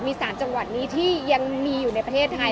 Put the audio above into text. มี๓จังหวัดนี้ที่ยังมีอยู่ในประเทศไทย